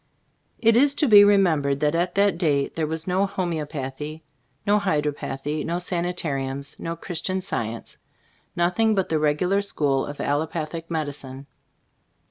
It is to be remembered at that date there was no homeopathy, no hydropathy, no sanitariums, no Christian Science, nothing but the regular school of allopathic medicine.